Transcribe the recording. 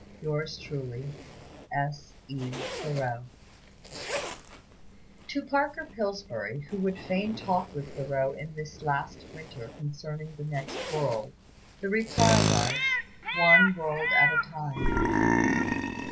"Yours truly, "S. E. THOREAU." To Parker Pillsbury, who would fain talk with Thoreau in this last winter concerning the next world, the reply was, "One world at a time."